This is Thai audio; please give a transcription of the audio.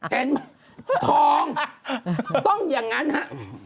เห็นมั้ยทองต้องอย่างนั้นค่ะ